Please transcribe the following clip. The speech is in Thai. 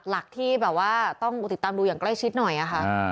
หลักที่แบบว่าต้องติดตามดูอย่างใกล้ชิดหน่อยค่ะ